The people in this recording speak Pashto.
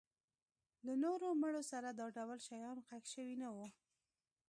له نورو مړو سره دا ډول شیان ښخ شوي نه وو.